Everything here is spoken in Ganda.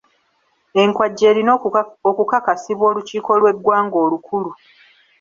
Enkwajja erina okukakasibwa olukiiko lw'eggwanga olukulu.